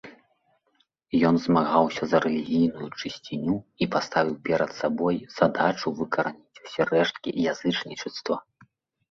Ён змагаўся за рэлігійную чысціню і паставіў перад сабой задачу выкараніць усе рэшткі язычніцтва.